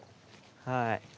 はい。